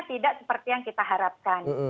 tidak seperti yang kita harapkan